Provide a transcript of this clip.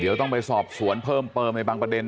เดี๋ยวต้องไปสอบสวนเพิ่มเติมในบางประเด็น